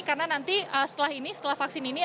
karena nanti setelah ini setelah vaksin ini